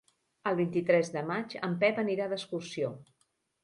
El vint-i-tres de maig en Pep anirà d'excursió.